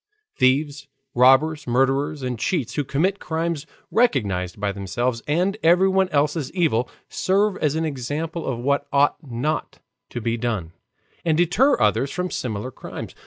Thieves, robbers, murderers, and cheats, who commit crimes recognized by themselves and everyone else as evil, serve as an example of what ought not to be done, and deter others from similar crimes.